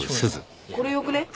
これよくね？